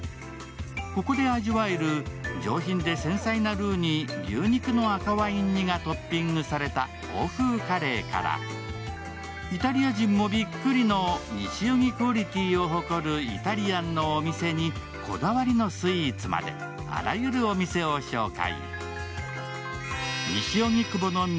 ここで味わえる上品で繊細なルーに牛肉の赤ワイン煮がトッピングされた欧風カレーからイタリア人もびっくりの西荻クオリティーを誇るイタリアンのお店にこだわりのスイーツまで、あらゆるお店を紹介。